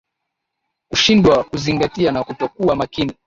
Kushindwa kuzingatia na kutokuwa makini